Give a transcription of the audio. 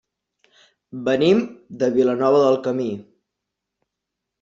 Venim de Vilanova del Camí.